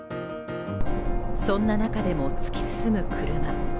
そんな中でも突き進む車。